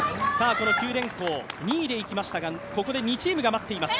九電工、２位でいきましたがここで２チームが待っています。